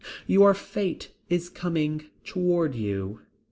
Your fate is coming toward you.